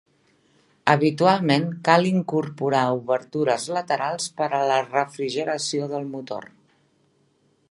Habitualment cal incorporar obertures laterals per a la refrigeració del motor.